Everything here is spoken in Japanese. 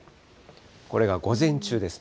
これが午前中ですね。